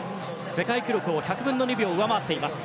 世界記録を１００分の２秒上回っています。